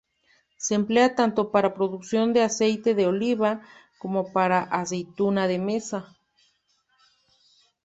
Se emplea tanto para producción de aceite de oliva, como para aceituna de mesa.